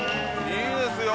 いいですよ